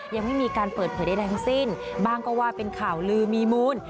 ยังไม่มีการเปิดเผยใดทั้งสิ้นบ้างก็ว่าเป็นข่าวลือมีมูล